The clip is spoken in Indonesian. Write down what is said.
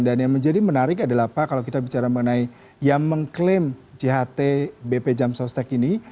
dan yang menjadi menarik adalah pak kalau kita bicara mengenai yang mengklaim jht bp jamstek ini